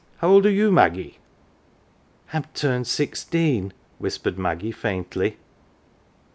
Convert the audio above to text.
How old are you, Maggie ?"" I'm turned sixteen," whispered Maggie, faintly.